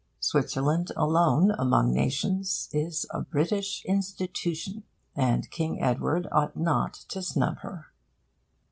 Switzerland, alone among nations, is a British institution, and King Edward ought not to snub her.